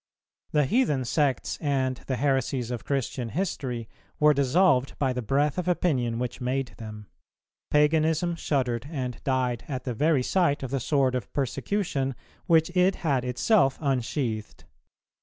The heathen sects and the heresies of Christian history were dissolved by the breath of opinion which made them; paganism shuddered and died at the very sight of the sword of persecution, which it had itself unsheathed.